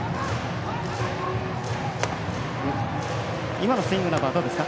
今のスイングなどはどうですか。